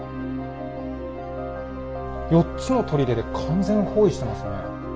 ４つの砦で完全包囲してますね。